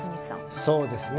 そうですね。